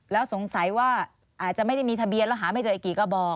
แล้วสงสัยว่าอาจจะไม่ได้มีทะเบียนแล้วหาไม่เจออีกกี่กระบอก